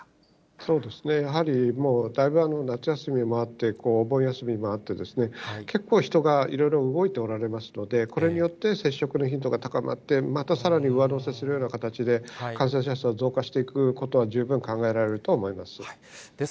そうですね、やはりもう、だいぶ夏休みもあって、お盆休みもあって、結構、人がいろいろ動いておられますので、これによって、接触の頻度が高まって、またさらに上乗せするような形で、感染者数が増加していくことは十分考えられると思います。